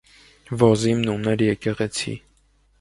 Ոզիմն ուներ եկեղեցի։